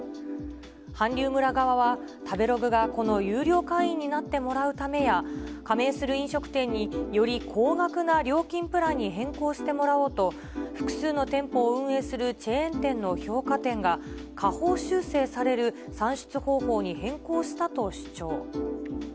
韓流村側は、食べログがこの有料会員になってもらうためや、加盟する飲食店により高額な料金プランに変更してもらおうと、複数の店舗を運営するチェーン店の評価点が、下方修正される算出方法に変更したと主張。